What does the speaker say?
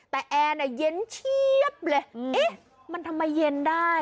แต่แอร์เย็นเชี๊ยบเลยมันทำไมเย็นได้